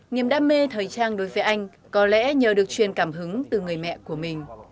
niềm đam mê thời trang đối với anh có lẽ nhờ được truyền cảm hứng từ người mẹ của mình